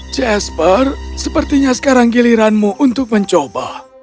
jasper sepertinya sekarang giliranmu untuk mencoba